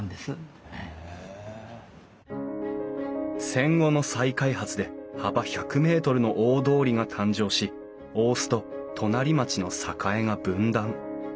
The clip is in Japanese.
戦後の再開発で幅１００ｍの大通りが誕生し大須と隣町の栄が分断。